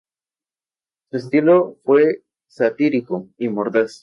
Su estilo fue satírico y mordaz.